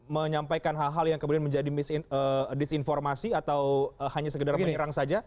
menyampaikan hal hal yang kemudian menjadi disinformasi atau hanya sekedar menyerang saja